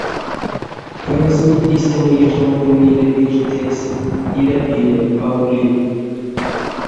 Карязонь истямо яжамодо мейле пежетекс, иля пеле, а ули.